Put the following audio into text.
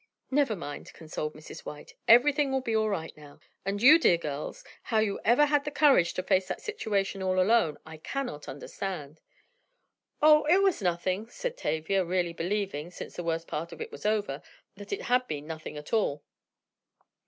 "Never mind," consoled Mrs. White, "everything will be all right now. And you dear girls, how you ever had the courage to face that situation all alone, I cannot understand!" "Oh, it was nothing!" said Tavia, really believing, since the worst part of it was over, that it had been nothing at all.